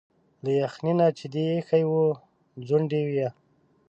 له يخني نه چي دي ا يښي وو ځونډ يه